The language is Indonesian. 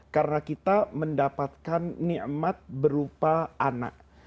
karena kita mendapatkan ni'mat berupa anaknya